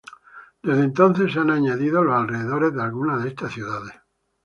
Desde entonces, se han añadido los alrededores de algunas de estas ciudades.